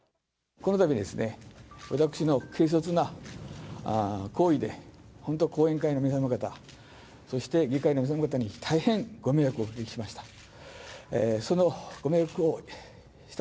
このたびですね、私の軽率な行為で、本当、後援会の皆様方、そして議会の皆様方に大変ご迷惑をおかけしました。